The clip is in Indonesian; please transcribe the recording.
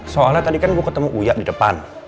soalnya tadi kan gue ketemu uyak di depan